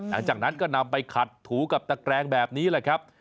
หลังจากนั้นก็นำไปขัดถูกับตะแกรงแบบนี้แหละครับ